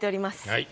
はい。